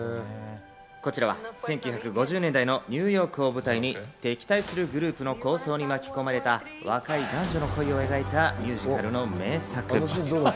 こちらは１９５０年代のニューヨークを舞台に敵対するグループの抗争に巻き込まれた若い男女の恋を描いたミュージカルの名作。